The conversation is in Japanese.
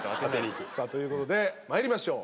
ということで参りましょう。